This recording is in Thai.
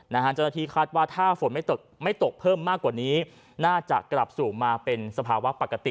เจ้าหน้าที่คาดว่าถ้าฝนไม่ตกเพิ่มมากกว่านี้น่าจะกลับสู่มาเป็นสภาวะปกติ